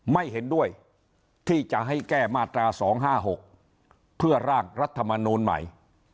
ไม่เห็นด้วยที่จะให้แก้มาตรา๒๕๖เพื่อร่างรัฐมนูลใหม่